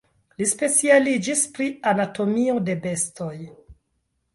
Li specialiĝis pri anatomio de bestoj.